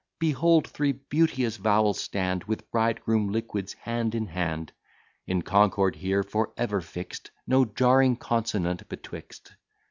Behold three beauteous vowels stand, With bridegroom liquids hand in hand; In concord here for ever fix'd, No jarring consonant betwixt.